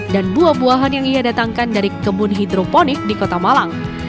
dan buah buahan yang ia datangkan dari kebun hidroponik di kota malang